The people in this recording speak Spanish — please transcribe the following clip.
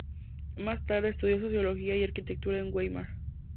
Más tarde estudió Sociología y Arquitectura en Weimar.